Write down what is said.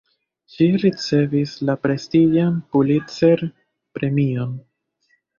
Ŝi ricevis la prestiĝan Pulitzer-premion.